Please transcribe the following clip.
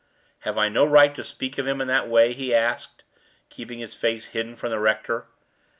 "Have I no right to speak of him in that way?" he asked, keeping his face hidden from the rector.